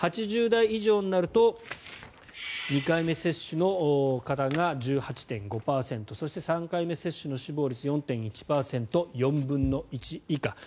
８０代以上になると２回目接種の方が１８．５％そして３回目接種の死亡率４．１％４分の１以下。